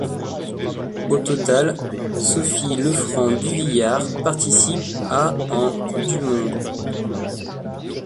Au total, Sophie Lefranc-Duvillard participe à en Coupe du monde.